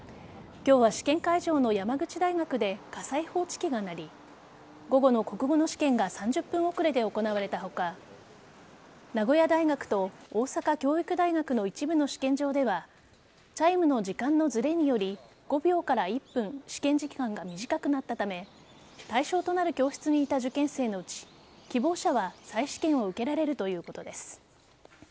今日は試験会場の山口大学で火災報知器が鳴り午後の国語の試験が３０分遅れで行われた他名古屋大学と大阪教育大学の一部の試験場ではチャイムの時間のずれにより５秒から１分試験時間が短くなったため対象となる教室にいた受験生のうち希望者は再試験を受けられるということです。